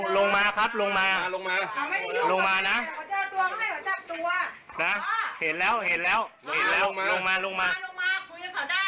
ลงมาลงมาคุยกับเขาได้